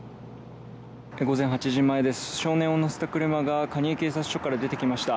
午前８時前です、少年を乗せた車が蟹江警察署から出てきました。